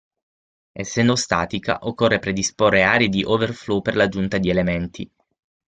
Essendo statica, occorre predisporre aree di overflow per l'aggiunta di elementi.